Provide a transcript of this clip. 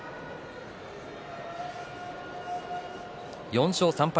４勝３敗